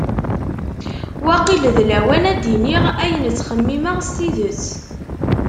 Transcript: Waqil d lawan ad d-iniɣ ayen ttxemmimeɣ s tidet.